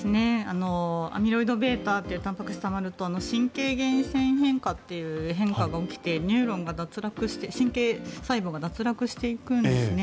アミロイドβというたんぱく質がたまると変化が起きてニューロンが脱落して神経細胞が脱落していくんですね。